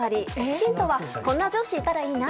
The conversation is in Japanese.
ヒントはこんな上司いたらいいな。